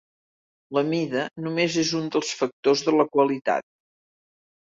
La mida només és un dels factors de la qualitat.